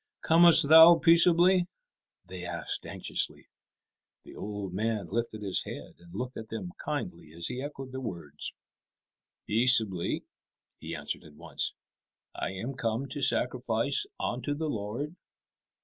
"Comest thou peaceably?" they asked anxiously. The old man lifted his head and looked at them kindly as he echoed their words. "Peaceably," he answered at once; "I am come to sacrifice unto the Lord."